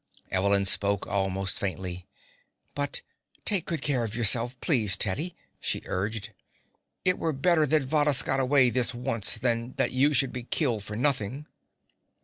Evelyn spoke almost faintly. "But take good care of yourself, please, Teddy," she urged. "It were better that Varrhus got away this once than that you should be killed for nothing."